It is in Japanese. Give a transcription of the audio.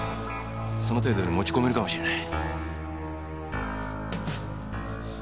その程度に持ち込めるかもしれん。